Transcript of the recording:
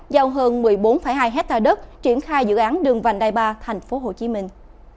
giao hơn một mươi bốn hai hecta đất triển khai dự án đường vành đai ba thành phố hồ chí minh